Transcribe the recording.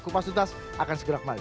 kupas tuntas akan segera kembali